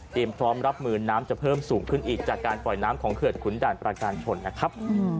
พร้อมรับมือน้ำจะเพิ่มสูงขึ้นอีกจากการปล่อยน้ำของเขื่อนขุนด่านประการชนนะครับ